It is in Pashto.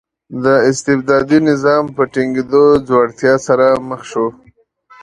د استبدادي نظام په ټینګېدو ځوړتیا سره مخ شو.